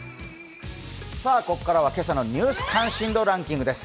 ここからは今朝の「ニュース関心度ランキング」です。